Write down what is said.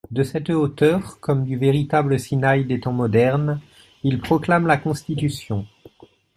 De cette hauteur, comme du véritable Sinaï des temps modernes, il proclame la Constitution.